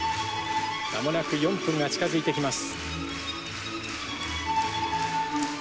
間もなく４分が近づいてきます。